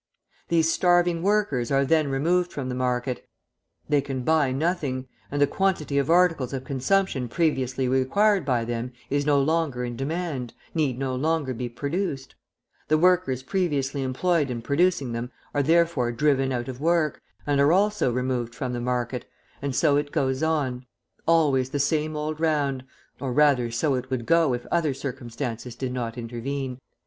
These starving workers are then removed from the market, they can buy nothing, and the quantity of articles of consumption previously required by them is no longer in demand, need no longer be produced; the workers previously employed in producing them are therefore driven out of work, and are also removed from the market, and so it goes on, always the same old round, or rather, so it would go if other circumstances did not intervene.